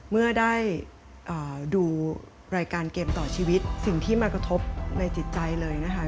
เมื่อได้ดูรายการเกมต่อชีวิตสิ่งที่มากระทบในจิตใจเลยนะคะ